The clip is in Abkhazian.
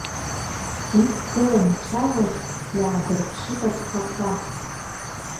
Иқәгылан ицәажәаз иаадырԥшит агхақәа.